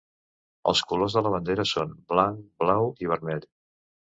Els colors de la bandera són: blanc, blau i vermell.